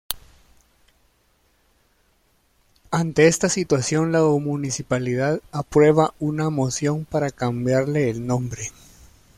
Ante esta situación la municipalidad aprueba una moción para cambiarle el nombre.